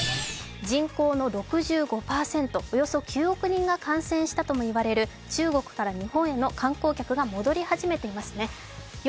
人口の６５％、およそ９億人が感染したとも言われる中国から日本への観光客が戻り始めていますね。